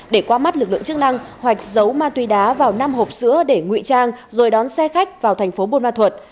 để qua mắt lực lượng chức năng hoạch giấu ma túy đá vào năm hộp sữa để ngụy trang rồi đón xe khách vào thành phố buôn ma thuật